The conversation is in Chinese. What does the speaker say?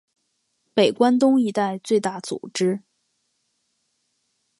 北关东一带最大组织。